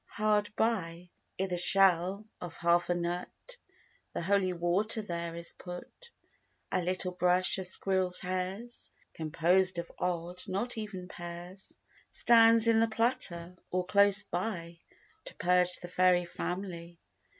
Hard by, i' th' shell of half a nut, The holy water there is put; A little brush of squirrels' hairs, Composed of odd, not even pairs, Stands in the platter, or close by, To purge the fairy family.